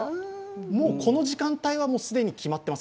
もうこの時間帯は既に決まってます？